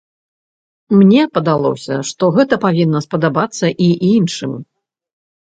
Мне падалося, што гэта павінна спадабаецца і іншым.